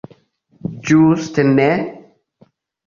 Ĝuste ne!